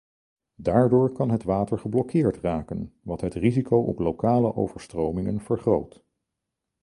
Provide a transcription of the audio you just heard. Daardoor kan het water geblokkeerd raken, wat het risico op lokale overstromingen vergroot.